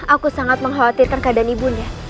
aku sangat mengkhawatirkan keadaan ibu undang